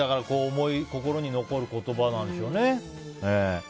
心に残る言葉なんでしょうね。